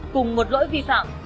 cùng một lỗi vi phạm